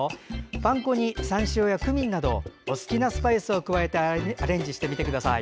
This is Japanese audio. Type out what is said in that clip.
パン粉にさんしょうやクミンなどお好きなスパイスを加えてアレンジしてみてください。